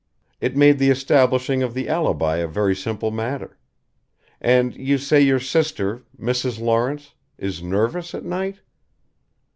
It made the establishing of the alibi a very simple matter. And you say your sister Mrs. Lawrence is nervous at night?"